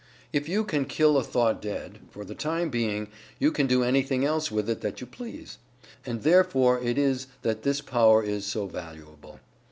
"If you can kill a thought dead, for the time being, you can do anything else with it that you please. And therefore it is that this power is so valuable.